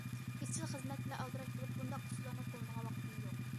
ئىزچىل خىزمەت بىلەن ئالدىراش بولۇپ بۇنداق ئۇسۇللارنى قوللىنىدىغان ۋاقىتمۇ يوق.